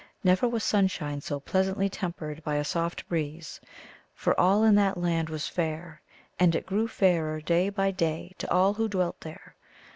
Never was sunshine so pleasantly tem pered by a soft breeze ; for all in that land was fair, and it grew fairer day by day to all who dwelt there.